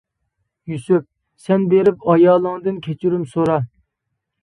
يۈسۈپ: سەن بېرىپ ئايالىڭدىن كەچۈرۈم سورا.